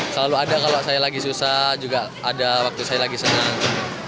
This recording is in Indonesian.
selalu ada kalau saya lagi susah juga ada waktu saya lagi senang